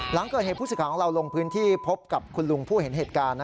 หลังเกิดเหตุผู้สิทธิ์ของเราลงพื้นที่พบกับคุณลุงผู้เห็นเหตุการณ์